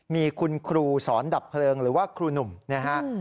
มีคุณครูสอนดับเพลิงหรือว่าครูหนุ่มนะฮะ